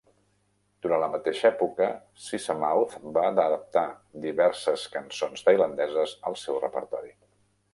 Durant la mateixa època, Sisamouth va adaptar diverses cançons tailandeses al seu repertori.